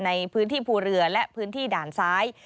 ในพื้นที่ภูเรือและพื้นที่ด่านซ้าย